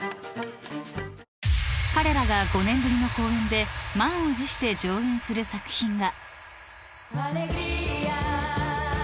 ［彼らが５年ぶりの公演で満を持して上演する作品が］